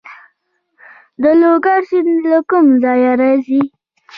د لوګر سیند له کوم ځای راځي؟